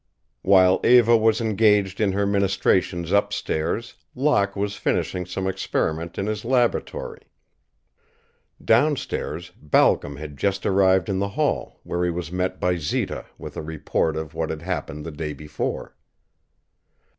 While Eva was engaged in her ministrations up stairs Locke was finishing some experiment in his laboratory. Down stairs, Balcom had just arrived in the hall, where he was met by Zita with a report of what had happened the day before.